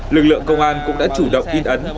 lực lượng công an cũng đã chủ động in ấn